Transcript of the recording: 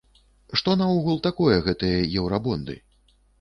Што наогул такое гэтыя еўрабонды?